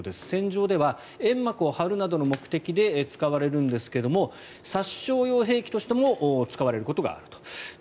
戦場では煙幕を張るなどの目的で使われるんですが殺傷用兵器としても使われることがあると。